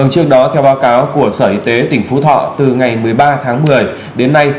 trước đó theo báo cáo của sở y tế tỉnh phú thọ từ ngày một mươi ba tháng một mươi đến nay